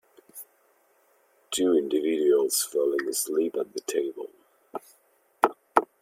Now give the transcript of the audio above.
Two individuals falling asleep at the table.